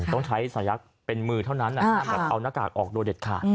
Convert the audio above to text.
ต้องใช้สายักษ์เป็นมือเท่านั้นแบบเอาหน้ากากออกโดยเด็ดขาด